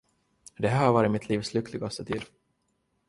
Det här har varit mitt livs lyckligaste tid.